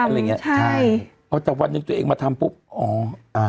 อะไรอย่างเงี้ใช่อ๋อแต่วันหนึ่งตัวเองมาทำปุ๊บอ๋ออ่า